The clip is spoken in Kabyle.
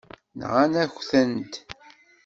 Nɣan-ak-tent.